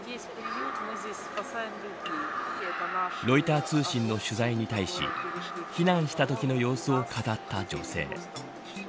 ロイター通信の取材に対し避難したときの様子を語った女性。